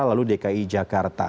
lalu dki jakarta